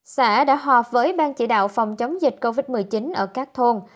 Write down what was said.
xã đã họp với ban chỉ đạo phòng chống dịch covid một mươi chín ở các thôn